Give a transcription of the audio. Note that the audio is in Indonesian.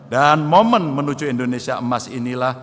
dan momen menuju indonesia emas inilah